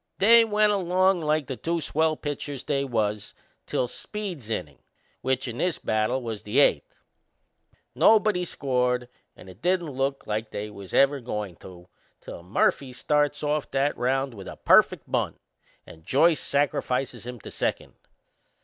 They went along like the two swell pitchers they was till Speed's innin', which in this battle was the eighth. Nobody scored, and it didn't look like they was ever goin' to till Murphy starts off that round with a perfect bunt and Joyce sacrifices him to second.